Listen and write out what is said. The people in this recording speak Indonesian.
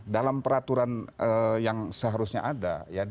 dalam peraturan yang seharusnya ada